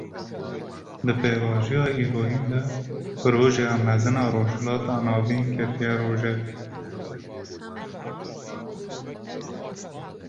Di pêvajoya îroyîn de, Projeya Mezin a Rojhilata Navîn ketiye rojevê